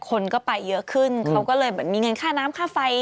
คนก็ไปเยอะขึ้นเขาก็เลยเหมือนมีเงินค่าน้ำค่าไฟ